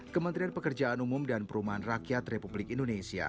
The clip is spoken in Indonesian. kementerian pekerjaan umum dan perumahan rakyat republik indonesia